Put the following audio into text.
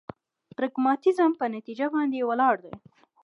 پراګماتيزم په نتيجه باندې ولاړ دی.